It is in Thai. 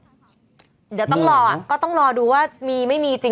เดี๋ยวต้องรอก็ต้องรอดูว่ามีไม่มีจริง